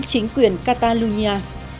chính quyền catalonia